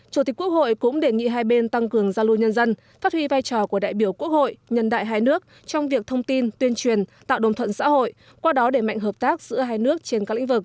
chủ tịch quốc hội cũng đề nghị hai bên tăng cường giao lưu nhân dân phát huy vai trò của đại biểu quốc hội